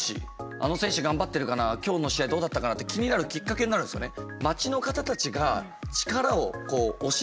あの選手頑張ってるかな今日の試合どうだったかなって気になるきっかけになるんですよね。